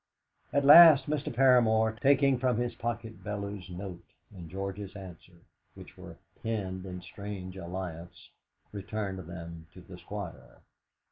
At last Mr. Paramor, taking from his pocket Bellew's note and George's answer, which were pinned in strange alliance, returned them to the Squire.